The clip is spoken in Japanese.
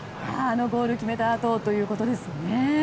あのゴールを決めたあとということですね。